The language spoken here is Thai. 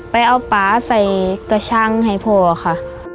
ไปเอาป๊าใส่กระชังให้พ่อค่ะ